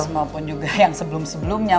maupun juga yang sebelum sebelumnya